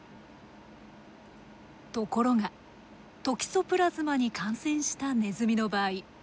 ところがトキソプラズマに感染したネズミの場合。